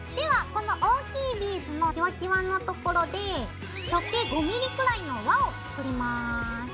この大きいビーズのきわきわの所で直径５ｍｍくらいの輪を作ります。